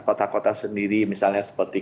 kota kota sendiri misalnya seperti